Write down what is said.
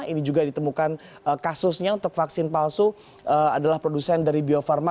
ini juga ditemukan kasusnya untuk vaksin palsu adalah produsen dari bio farma